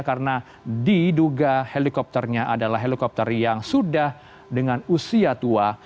karena diduga helikopternya adalah helikopter yang sudah dengan usia tua